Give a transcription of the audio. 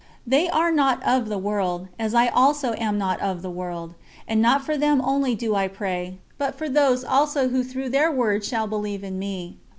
They are not of the world, as I also am not of the world. And not for them only do I pray, but for those also who through their word shall believe in me.